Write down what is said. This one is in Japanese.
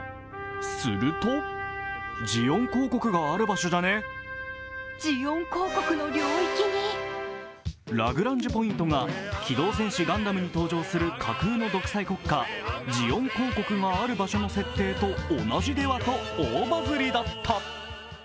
するとラグランジュポイントが「機動戦士ガンダム」に登場する架空の独裁国家ジオン公国がある場所の設定と同じではと大バズりだった。